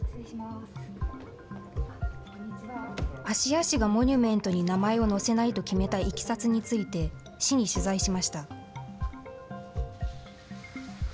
芦屋市がモニュメントに名前を載せないと決めたいきさつについて、市に取材しました。